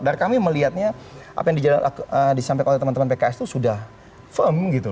dan kami melihatnya apa yang disampaikan oleh teman teman pks itu sudah firm gitu